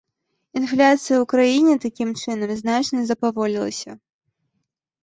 Інфляцыя ў краіне такім чынам значна запаволілася.